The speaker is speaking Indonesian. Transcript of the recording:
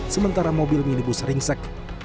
sementara mobil minibus ringsek